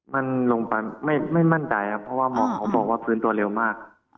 มันลงไปไม่มั่นใจครับเพราะว่าหมอเขาบอกว่าฟื้นตัวเร็วมาก